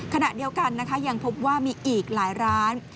ขณะเดียวกันนะคะยังพบว่ามีอีกหลายร้าน